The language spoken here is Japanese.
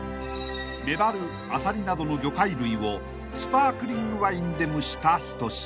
［メバルアサリなどの魚介類をスパークリングワインで蒸した一品］